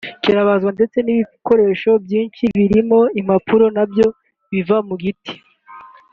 kirabazwa ndetse n’ibikoresho byinshi birimo impapuro na byo biva mu biti